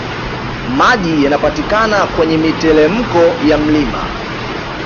Maji yanapatikana kwenye mitelemko ya mlima